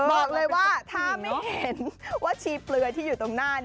บอกเลยว่าถ้าไม่เห็นว่าชีเปลือยที่อยู่ตรงหน้า